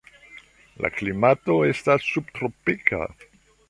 La klimato estas subtropika.